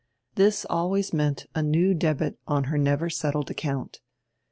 This always meant a new debit on her never settled account.